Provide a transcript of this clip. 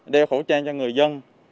đeo khẩu trang cho người dân